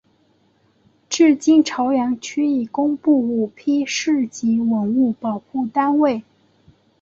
至今潮阳区已公布五批市级文物保护单位。